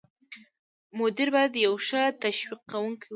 مدیر باید یو ښه تشویق کوونکی واوسي.